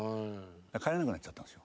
帰らなくなっちゃったんですよ